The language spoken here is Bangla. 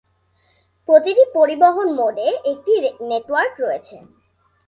প্রতিটি পরিবহন মোডে একটি নেটওয়ার্ক রয়েছে।